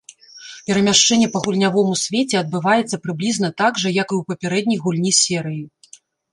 Перамяшчэнне па гульнявому свеце адбываецца прыблізна так жа, як і ў папярэдняй гульні серыі.